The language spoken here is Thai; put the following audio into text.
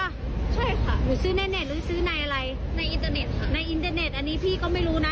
ใช่ค่ะหนูซื้อแน่หนูซื้อในอะไรในอินเตอร์เน็ตค่ะในอินเทอร์เน็ตอันนี้พี่ก็ไม่รู้นะ